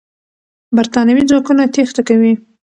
برتانوي ځواکونه تېښته کوي.